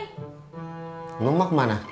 emang emak kemana